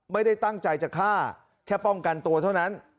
ไม่ได้ตั้งใจจะฆ่าแค่ป้องกันตัวเท่านั้น